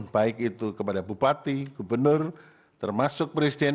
baik itu kepada bupati gubernur termasuk presiden